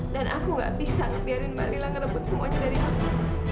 dan aku gak bisa ngebiarin mba lila ngerebut semuanya dari aku